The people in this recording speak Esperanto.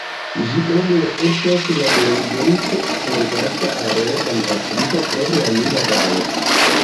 Ĝi eble estas la plej dense loĝata areo en Afriko krom la Nila Valo.